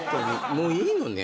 もういいのね？